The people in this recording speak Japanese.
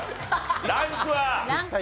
ランクは？